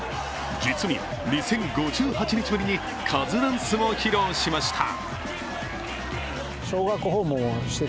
実に２０５８日ぶりにカズダンスも披露しました。